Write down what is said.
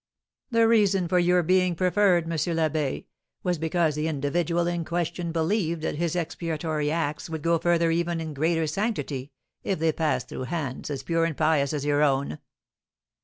"The reason for your being preferred, M. l'Abbé, was because the individual in question believed that his expiatory acts would go forth even in greater sanctity if they passed through hands as pure and pious as your own."